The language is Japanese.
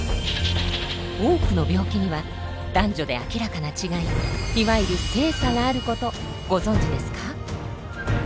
多くの病気には男女で明らかな違いいわゆる性差があることご存じですか？